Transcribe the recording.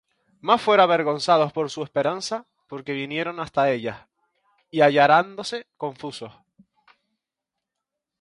Mas fueron avergonzados por su esperanza; Porque vinieron hasta ellas, y halláronse confusos.